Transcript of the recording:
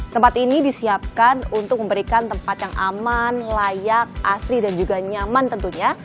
tempat ini disiapkan untuk memberikan tempat yang aman layak asli dan juga nyaman tentunya